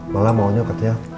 malah maunya katanya